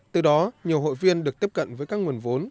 từ đó nhiều hội viên được tiếp cận với các nguồn vốn